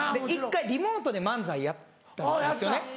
１回リモートで漫才やったんですよね。